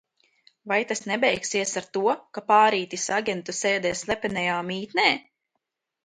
Vai tas nebeigsies ar to, ka pārītis aģentu sēdēs slepenajā mītnē?